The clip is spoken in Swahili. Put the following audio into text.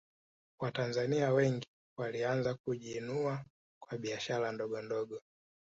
watanzania wengi walianza kujiinua kwa biashara ndogondogo